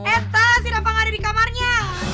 eh teh si dapeng ada di kamarnya